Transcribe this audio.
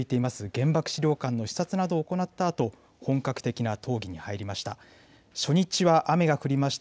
原爆資料館の視察などを行ったあと、本格的な討議に入りました。